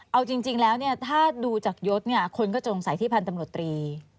เอาจริงแล้วถ้าดูจากยศคนก็จะสงสัยที่พันธุ์ตำรวจตรี